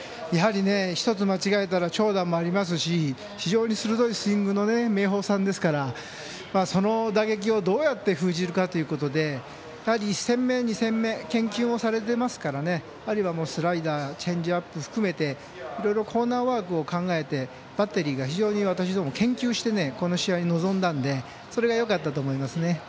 １つ間違えたら長打もありますし非常に鋭いスイングの明豊さんですからその打撃をどうやって封じるかっていうことで１戦目、２戦目研究もされてますから有馬もスライダーチェンジアップ含めていろいろコーナーワークを考えて、バッテリーや私たちが研究してこの試合に臨んだのでそれがよかったと思いますね。